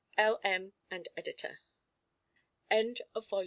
L. M. and Ed. End of vol.